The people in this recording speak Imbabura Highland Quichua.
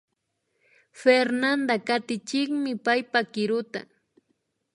Fernanda katichinmi paypa kiruta